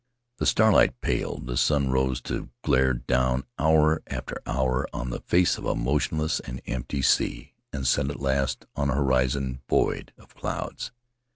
... The starlight paled; the sun rose to glare down hour after hour on the face of a motionless and empty sea, and set at last on a horizon void of clouds.